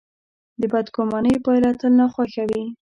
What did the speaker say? د بدګمانۍ پایله تل ناخوښه وي.